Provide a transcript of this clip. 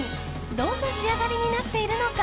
どんな仕上がりになっているのか。